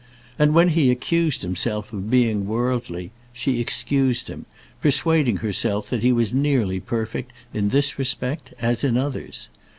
And when he accused himself of being worldly, she excused him, persuading herself that he was nearly perfect in this respect as in others.